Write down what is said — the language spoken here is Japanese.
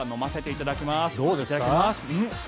いただきます。